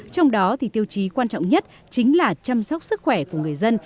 trong đó thì tiêu chí quan trọng nhất chính là chăm sóc sức khỏe của người dân